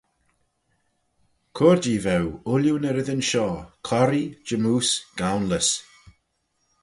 Cur-jee veu ooilley ny reddyn shoh; corree, jymmoose, goanlys.